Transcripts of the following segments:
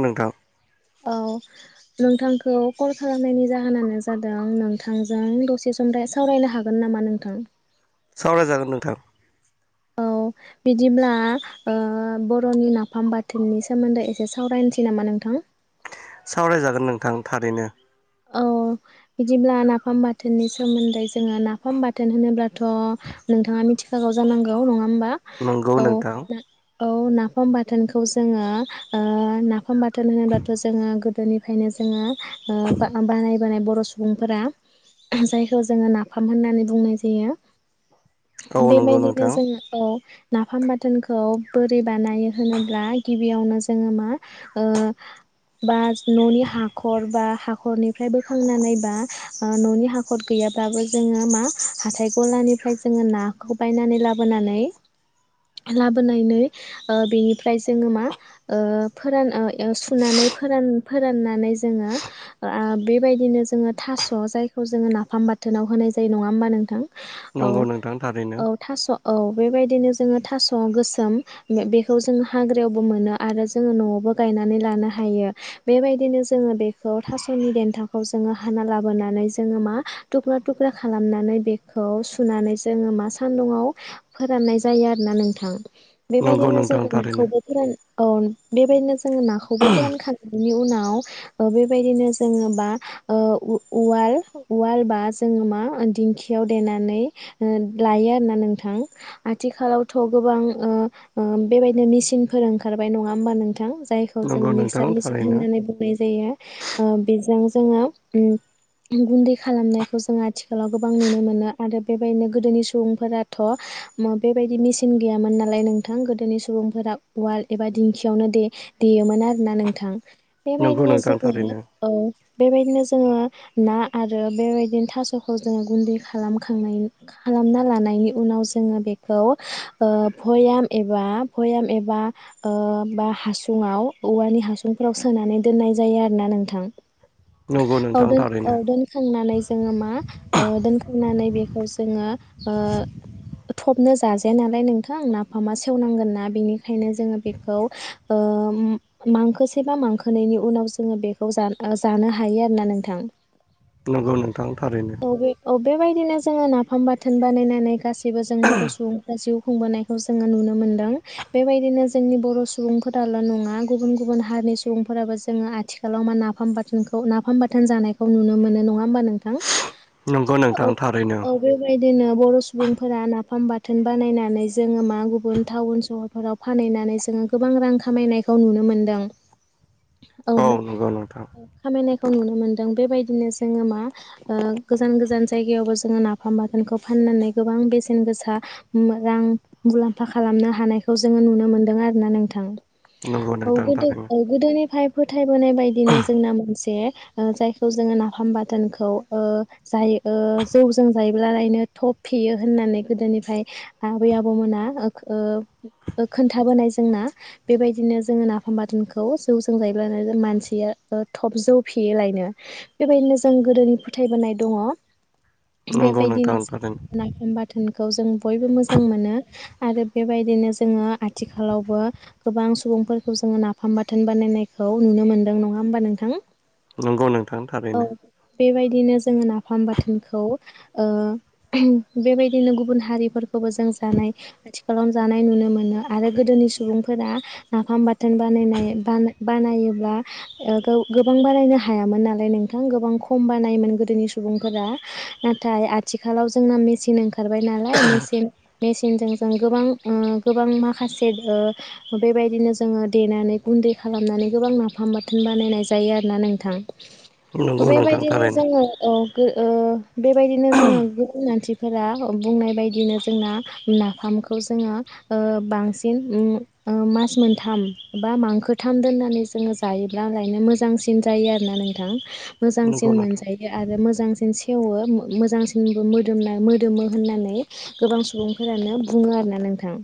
अ नोंथां औ नोंथांखौ कल खालामनायनि जाहोनानो जादों नोंथांजों दसे सम राय सावरायनो हागोन नामा नोंथां? सावराय जागोन नोंथां औ बिदिब्ला ओ बर'नि नाफाम बाथोननि सोमोन्दै एसे सावरायनोसै नामा नोंथां सावरायजागोन नोंथां थारैनो औ बिदिब्ला नाफाम बाथोननि सोमोन्दै जोङो नाफाम बाथोन होनोब्ला थ' नोंथाङा मिथि गोज जौआव जानांगौ नङा होमबा नंगौ ना औ नोंथां ना औ नाफाम बाथोनखौ जोङो ओ ना- नाफाम बाथोन होनोबाथ' जोङो गोदोनि ओंखायनो जोङो [unintelligible] बोनाय बर' सुबुंफोरा जायखौ जोङो नाफाम होननानै बुंनाय जायो औ नंगौ बेबायदिनो नोंथां जोङो औ नाफाम बाथोनखौ बोरै बानायो होनोब्ला गिबियावनो जोङो मा ओ बा न'नि हाखर बा हाखरनिफ्राय बोखांनानै बा न'नि हाखर गैयाब्लाबो जोङो मा हाथाय गलानिफ्राय जोङो नाखौ बायनानै लाबोनानै-लाबोनानै बेनिफ्राय जोङो मा ओ फोरान सुनानै फोरान फोराननानै जोङो आ बेबायदिनो जोङो थास' जायखौ जोङो नाफाम बाथोनाव होनाय जायो नङा होमबा नोंथां औ नंगौ नोंथां थारैनो औ थास' औ बेबायदिनो जोङो थास' गोसोम बेखौ जोङो हाग्रायावबो मोनो आरो जोङो न'आवबो गायनानै लानो हायो बेबायदिनो जोङो बेखौ थास'नि देन्थाखौ जोङो हाना लाबोनानै जोङो मा थुख्रा-थुख्रा खालामनानै बेखौ सुनानै जोङो मा सान्दुंङाव फोराननाय जायो आरोना नोंथां नंगौ बेबायदिनो नोंथां जोङो थारैनो नाखौबो फोरान औ बेबायदिनो जोङो नाखौबो फोरानखांनायनि उनाव ओ बे बायदिनो जोङो बा ओ उवाल-उवाल बा जोङो मा दिंखियाव देनानै लायो आरोना नोंथां आथिखालावथ' गोबां ओ ओ बेबायदिनो मेसिनफोर ओंखारबाय नङा होमबा नोंथां जायखौ नंगौ जोङो नोंथां मिक्सार मिसिन थारैनो होननानै बुंनाय जायो ओ बेजों जोङो गुन्दै खालामनायखौ जोङो आथिखालाव गोबां नुनो मोनो आरो बेबायदिनो गोदोनि सुबुंफोराथ' बेबायदि मेसिन गैयामोन नालाय नोंथां गोदोनि सुबुंफोरा उवाल एबा दिंखियावनो दे-देयोमोन आरोना नोंथां नंगौ बेबायदिनो नोंथां जों थारैनो औ बेबायदिनो जोङो ना आरो बेबायदिनो थास'खौ जोङो गुन्दै खालामखांनायनि खालामना लानायनि उनाव जोङो बेखौ ओ भयाम एबा-भयाम एबा बा हासुङाव औवानि हासुंफोराव सोनानै दोननाय जायो आरोना नोंथां नंगौ औ नोंथां दोन औ थारैनो दोनखांनानै जोङो मा ओ दोनखांनानै बेखौ जोङो ओ थबनो जाजाया नालाय नोंथां नाफामा सेवनांगोनना बेनिखायनो जोङो बेखौ ओ मांखोसेबा मांखोनैनि उनाव जोङो बेखौ जानो ओ जानो हायो आरोना नोंथां नंगौ नोंथां थारैनो औ बे औ बेबायदिनो जोङो नाफाम बाथोन बानायनानै गासै बो जों बर' सुबुंफ्रा जिउ खुंबोनायखौ जोङो नुनो मोनदों बेबायदिनो जोंनि बर' सुबुंफोराल' नङा गुबुन गुबुन हारिनि सुबुंफोराबो जोङो आ थिखालाव मा नाफाम बाथोनखौ नाफाम बाथोन जानायखौ नुनो मोनो नङा होमबा नोंथां नंगौ औ नोंथां थारैनो औ बेबायदिनो बर' सुबुंफोरा नाफाम बा थोन बानायनानै जोङो मा गुबुन टाउन सहरफोराव फानहैनानै जोङो गोबां रां खामायनायखौ नुनो मोनदों औ बे नंगौ नोंथां खामायनाय खौ नुनो मोनदों बेबायदिनो जोङो मा ओ गोजान गोजान जायगायावबो जोङो नाफाम बाथोनखौ फाननानै गोबां बेसेन गोसा रां मुलाम्फा खालामनो हानायखौ जोङो नुनो मोनदों आरो ना नोंथां नंगौ औ नोंथां गोदो थारैनो औ गोदोनिफाय बाहायबोनाय बायदिनो जोंना मोनसे ओ जायखौ जोङो नाफाम बाथोनखौ ओ जायो ओ जौजों जायोब्लालायनो थब फेयो होननानै गोदोनिफ्राय आबै आबौमोना ओ खोन्थाबोनाय जोंना बेबायदिनो जोङो नाफाम बाथोनखौ जौजों जायो ब्ला मानसिया थब जौ फेयो लायनो बेबायदिनो जों गोदोनि फोथायबोनाय दङ नंगौ नोंथां बेबायदिनो जों थारैनो नाफाम बाथोनखौ खौ जों बयबो मोजां मोनो आरो बेबायदिनो जोङो आथिखालावबो गोबां सुबुंफोरखौ जोङो नाफाम बाथोन बानायनाय खौ नुनो मोनदों नङा होमबा नोंथां नंगौ नोंथां थारैनो बेबायदिनो जोङो नाफाम बाथोनखौ ओ बेबायदिनो गुबुन हारिफोरखौबो जों जानाय आथिखालाव जानाय नुनो मोनो आरो गोदोनि सुबुं फोरा नाफाम बा थोन बानायनाय बाना बानायोब्ला ओ गो-गोबां बानायनो हायामोन नालाय नोंथां गोबां खम बानायोमोन गोदोनि सुबुंफोरा नाथाय आथिखालाव जोंना मेसिन ओंखा खारबाय नालाय मेसिन मेसिनजों जों गोबां ओ गोबां माखासे ओ बेबायदिनो जोङो देनानै गुन्दै खालामनानै गोबां नाफाम बाथोन बानायनाय जायो आरोना नोंथां नंगौ नोंथां बेबायदिनो थारैनो जोङो औ बो ओ बेबायदिनो जोङो गो ओनांथि फोरा बुंनाय बदिनो जोंना नाफामखौ जोङो ओ बांसिन उम ओ मास मोनथाम बा मांखो थाम दोननानै जोङो जायोब्ला लायनो मोजांसिन जायो आरोना नोंथां मोजांसिन नंगौ नोंथां मोनजायो आरो मोजांसिन सेवो उम मोजांसिनबो मोदोमना मोदोमो होननानै गोबां सुबुंफोरानो बुङो आरोना नोंथां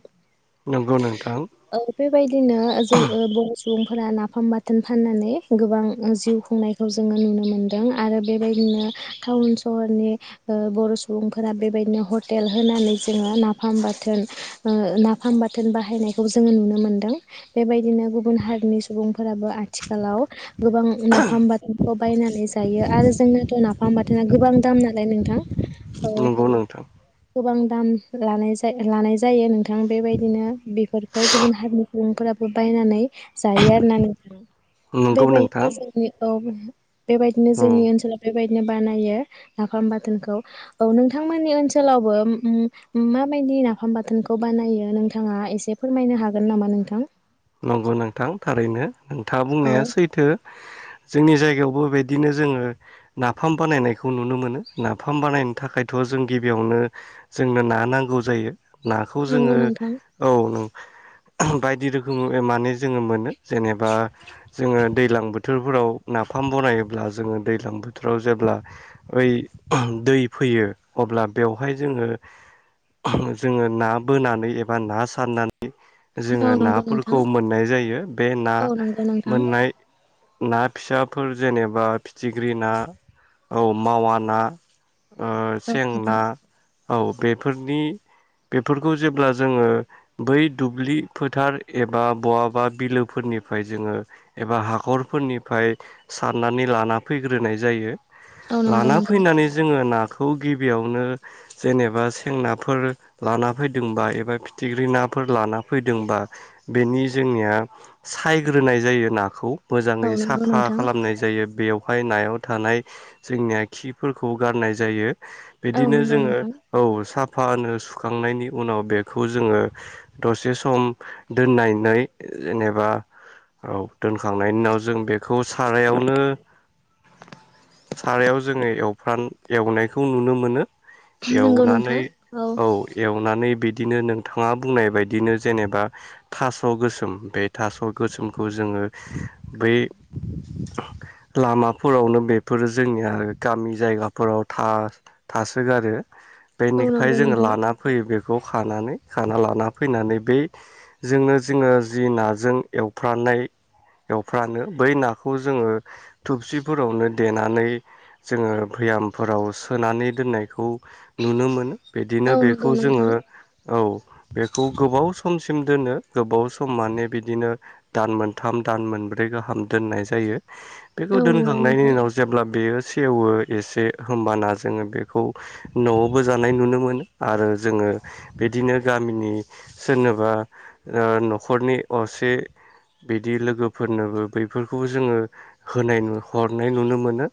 नंगौ नोंथां औ बेबायदिनो जो ओ बुं सुबुंफोरा नाफाम बाथोन फाननानै गोबां जिउ खुंनायखौ जोङो नुनो मोनदों आरो बेबायदिनो टाउन सहरनि ओ बर' सुबुंफोरा बेबायदिनो हटेल होनानै जोङो नाफाम बाथोन ओ नाफाम बाथोन बाहायनायखौ जोङो नुनो मोनदों बेबायदिनो गु बुन हारिनि सुबुंफोराबो आथिखालाव गोबां नाफाम बाथोनखौ बायनानै जायो आरो जोंनाथ' नाफाम बाथोना गोबां दाम नालाय नोंथां औ नंगौ नोंथां गोबां दाम लानाय जाय लानाय जायो नोंथां बेबायदिनो बेफोरखौ गुबुन हारिनि सुबुंफोराबो बायनानै जायो आरो ना नों नंगौ नोंथां बेबायदिनो जोंनि औ बेबायदिनो औ जोंनि ओनसोलाव बेबाय नो बानायो नाफाम बाथोनखौ औ नोंथांमोननि ओनसोलावबो उम उम माबायदि नाफाम बाथोनखौ बानायो नोंथाङा एसे फोरमायनो हागोन नामा नोंथां नं गौ नोंथां थारैनो नोंथाङा औ बुंनाया सैथो जोंनि जायगायावबो बिदिनो जोङो नाफाम बानायनायखौ नुनो मोनो नाफाम बानायनो थाखायथ' जों गिबियावनो जोंनो ना नांगौ जायो नाखौ नंगौ जोङो नोंथां औ नों बायदि रो खोमै माने जोङो मोनो जेनेबा जोङो दैलां बोथोरफोराव नाफाम बनायब्ला जोङो दैलां बोथोराव जेब्ला ओइ दै फैयो अब्ला बेवहाय जोङो जोङो ना बोनानै एबा ना सारना नै औ जोङो ना नंगौ नोंथां फोरखौ मोननाय जायो बे ना औ नंगौ नोंथां मोननाय। ना फिसाफोर जेनेबा फिथिग्रि ना औ मावा ना। ओ औ सें नोंथां ना। औ बेफोरनि बेफोरखौ जेब्ला जोङो बै दुब्लि फोथार एबा बहाबा बिलोफोरनिफाय जोङो एबा हाखरफोरनिफाय सारनानै लानाफैग्रोनाय जायो। औ नंगौ लाना नोंथां फैनानै जोङो नाखो खौ गिबियावनो जेनेबा सें नाफोर लानाफैदोंबा एबा फिथिग्रि नाफोर लानाफैदोंबा बेनि जोंनिया सायग्रोनाय जायो नाखौ। औ मोजाङै नंगौ साफा नोंथां खालामनाय जायो बेव फाय नायाव थानाय जोंनिया खिफोरखौ गारनाय जायो। औ बेदिनो नंगौ जोङो नोंथां औ साफ फानो सुखांनायनि उनाव बेखौ जोङो दसे सम दोननाय नै जेनेबा औ दोनखांनायनि उनाव जों बेखौ सारायावनो सारायाव जोङो एवफ्रान एवनायखौ नुनो मोनो। नंगौ एवनानै नोंथां औ एवनानै बि दिनो नोंथाङा बुंनाय बायदिनो जेनेबा थास' गोसोम बे थास गोसोमखौ जोङो बै लामाफोरावनो बेफोर जोंनिया गामि जायगाफोराव था थासोगारो। औ बेनिफाय नंगौ जोङो नोंथां लाना फैयो बेख खौ खानानै खाना लानाफैनानै बै जोंनो जिङो जि नाजों एवफ्रानाय एवफ्रानो बै नाखौ जोङो थुबसिफोरावनो देनानै जोङो भैयामफोराव सोनानै दोननायखौ नुनो मोनो बिदिनो औ नंगौ बेखौ नोंथां जोङो औ बेखौ गोबाव स खमसिम दोनो गोबाव सम माने बिदिनो दान मोनथाम दान मोनब्रै गाहाम दोननाय जायो। बेखौ औ नंगौ दोनखांनायनि नोंथां ओनाव जेब्ला बेयो। सेवो एसे होमबाना जोङो बेखौ न'आवबो जानाय नुनो मोनो आरो जोङो बेदिनो गामिनि सोरनोबा ओ न'खरनि असे बेदि लोगोफोरनोबो बैफोरखौबो जोङो होनाय हरनाय नुनो मोनो।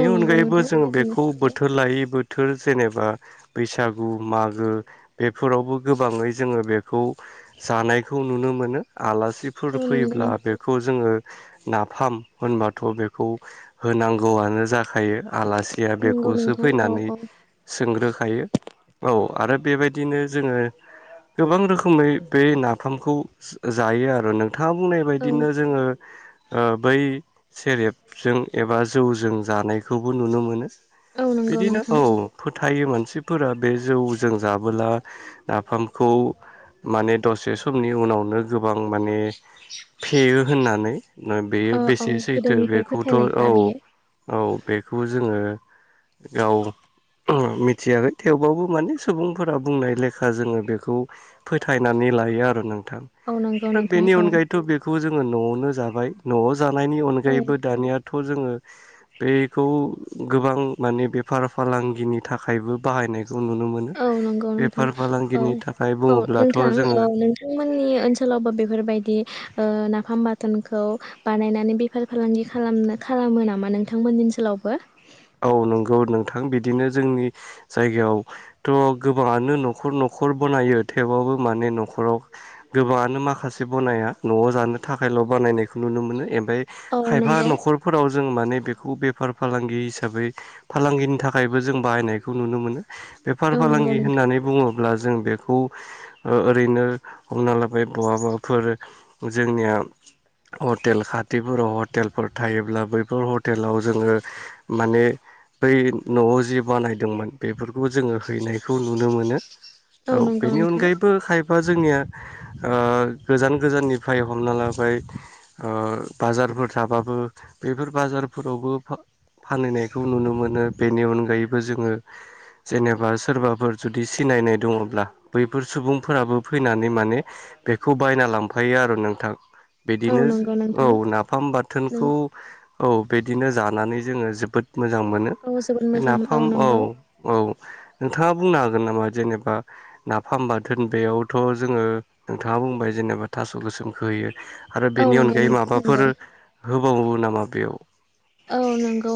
औ नंगौ अनगायैबो नोंथां जोङो थारैनो बेखौ सैथो बोथोर लायै बोथोर। जेनेबा बैसागु मागो बेफोरावबो गोबाङै जोङो बेखौ जानायखौ नुनो मोनो। आलासिफोर औ नंगौ फैयोब्ला बेखौ जोङो नाफाम होनबाथ बेखौ होनां गौआनो जाखायो आलासिया नंगौ बेखौसो नोंथां औ फैनानै औ सोंग्रोखायो औ। आरो बेबायदिनो जोङो गोबां रोख खोमै बे नाफामखौ सो जायोआरो नों थाङा बुंनाय औ बायदिनो जोङो ओ बै सेरेबजों एबा जौजों जानायखौबो नुनोमोनो। औ नंगौ बिदिनो नोंथां औ फोथ थायो मानसिफोरा बे जौजों जाबोला नाफामखौ माने दसे समनि उनावनो गोब गोबां माने फेयो होननानै बेयो औ औ बेसे सैथो गोदोनिफ्राय बेखौथ' फोथायनायखा औ बियो औ बेखौ जोङो गाव मिथियाखै थेवबाबो माने सुबुंफोरा बुंनाय लेखा जोङो बेखौ फोथायनानै लायो आरो नों थां औ नंगौ बाथ नोंथां बेनि औ अनगायैथबो बेखौ जों जङो न'आवनो जाबाय न'आव जानायनि औ अनगायैबो दानिया थ' जोङो बेखौ गोबां माने बेफार फालांगिनि थाखायबो बाहायनाय खौ नुनो मोनो औ नंगौ नोंथां बेफार औ फालांगिनि थाखाय औ बुङोब्ला नोंथां औ नोंथांमोननि ओनसोलावबो बेफोरबायदि ओ नाफाम बाथोनखौ बानायनानै बेफार फालांगि खालामनो खालामो नामा नोंथांमोननि ओनसोलावबो? औ नोंगौ नोंथां बिदिनो जोंनि जायगायावथ' गोबाङानो न'खर न'खर बनायो थेवबाबबो माने न'खराव गोबाङानो माखासे बनाया न'आव जानो थाखायल' बानायनायखौ नुनो मोनो एम फाय औ खायफा नंगौ न'खरफोराव जों माने बेखौ बेफार फालांगि हिसाबै हिसाबै फालांगिनि थाखायबो जों बाहायनायखौ नुनो मोनो बेफार औ नंगौ फालांगि नोंथां होननानै बुङोब्ला जों बेखौ ओ ओरैनो हमना लाबाय बहाबाफोर जोंनिया हटेल खाथिफोराव हटेलफोर थायोब्ला बैफोर हटेलाव जोङो माने बै न'आव जि बानायदोंमोन बेफोरखौ जोङो हैनायखौ नुनो मोनो औ नंगौ बेनि नोंथां अनगायैबो खायफा जोंनिया ओ गोजान गोजाननिफ्राय हमना लाबाय ओ बाजारफोर थाबाबो बेफोर बाजारफोरावबो फा फानहैनायखौ नुनो मोनो बेनि अनगायैबो जोङो जेनेबा सोरबाफोर जुदि सिनायनाय दङब्ला बैफोर सुबुंफोराबो फैनानै माने बेखौ बायना लांफायो आरो नोंथां औ बिदिनो नंगौ औ नोंथां नाफाम नों बाथोनखौ औ बिदिनो जानानै जोङो जोबोद मोजां मोनो औ जोबोद बे मोजांमोन नाफाम औ नंगौ औ नोंथाङा बुंनो हागोन नामा जेनेबा नाफाम बाथोन बेयावथ' जोङो नोंथाङा बुंबाय जेनेबा थास' गोसोमखो होयो आरो औ बेनि नंगौ अनगायै नोंथां नंगौ माबाफोर होबावो नामा बेयाव औ नोंगौ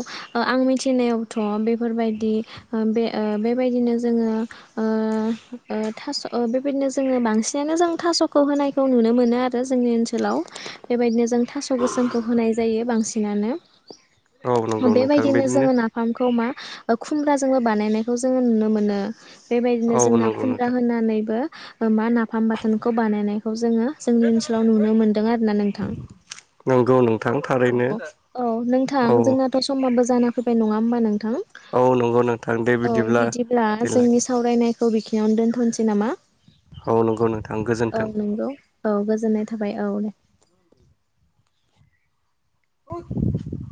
आं मिथिनायावथ' ओ बेफोरबायदि ओ बे ओ बेबायदिनो जोङो थास' ओ बेबायदिनो जोङो बांसिनानो जों थास'खौ होनायखौ नुनो मोनो आरो जोंनि ओनसोलाव बेबायदिनो जों थास' गोसोमखौ होनाय जायो बांसिन बिनानोम औ नंगौ नोंथां बेबायदिनो बिदिनो जोङो नाफामखौ खुमब्राजों जोङो बानायनायखौ जोङो नुनो मोनो बेबायदिनो औ जोंना नंगौ खुमब्रा नोंथां होनानैबो [unintelligible] नाफाम बाथोनखौ बानायनायखौ जोङो जोंनि ओनसोलाव नुनो मोनदों आरो ना नोंथां नंगौ नोंथां थारैनो नंगौ औ थां औ जोंनाथ' समा बो जाना फैबाय नङा होमबा नोंथां। औ नंगौ नोंथां दे थां औ बिदिब्ला देलाय जोंनि सावरायनायखौ बिखिनियावनो दोन दोनथ'नोसै नामा? औ नंगौ नोंथां औ गोजोन्थों। नंगौ औ गोजोननाय थाबाय औ दे। [unintelligible]